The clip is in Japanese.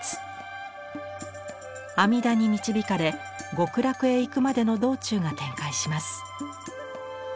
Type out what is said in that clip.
阿弥陀に導かれ極楽へ行くまでの道中が展開します。